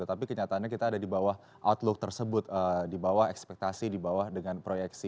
tapi kenyataannya kita ada di bawah outlook tersebut di bawah ekspektasi di bawah dengan proyeksi